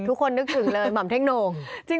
ทุกคนนึกถึงเลยหม่ำเท่งโหน่ง